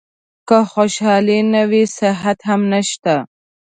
که خوشالي نه وي صحت هم نشته .